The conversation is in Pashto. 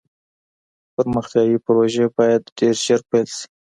پرمختیایي پروژې باید ډېر ژر پیل سي.